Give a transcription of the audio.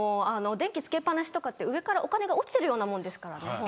電気つけっ放しって上からお金が落ちてるようなもんですから。